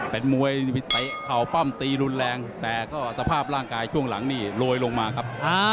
เป็นมวยเตะเข่าปั้มตีรุนแรงแต่ก็สภาพร่างกายช่วงหลังนี่โรยลงมาครับ